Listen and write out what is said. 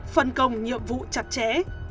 phân công nhiệm vụ chặt chẽ